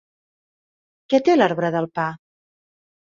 Què té l'arbre del pa?